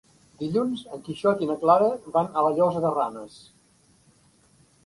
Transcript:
Dilluns en Quixot i na Clara van a la Llosa de Ranes.